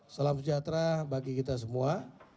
salam sejahtera bagi kita semua